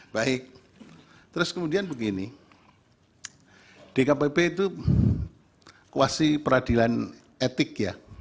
baik terus kemudian begini dkpp itu kuasi peradilan etik ya